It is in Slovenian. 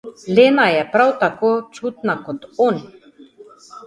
Lena je prav tako čutna kot on.